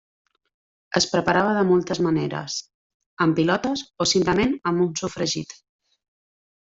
Es preparava de moltes maneres: en pilotes o simplement amb un sofregit.